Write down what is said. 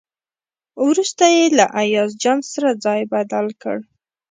وروسته یې له ایاز جان سره ځای بدل کړ.